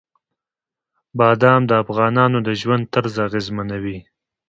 بادام د افغانانو د ژوند طرز اغېزمنوي.